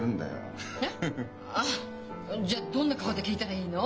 じゃあどんな顔で聞いたらいいの？